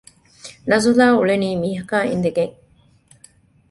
ނަޒުލާ އުޅެނީ މީހަކާ އިނދެގެން